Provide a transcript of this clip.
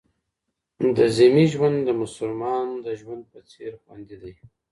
د ذمي ژوند د مسلمان د ژوند په څېر خوندي دی.